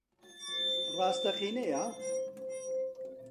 ڕاستەقینەیە؟